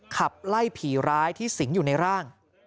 ขับไล่ผีร้ายที่สิงอยู่ในร่าง